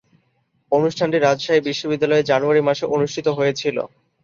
অনুষ্ঠানটি রাজশাহী বিশ্বনিদ্যালয়ে জানুয়ারি মাসে অনুষ্ঠিত হয়েছিলো।